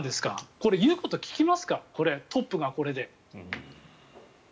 これ言うこと聞きますかトップがこれで。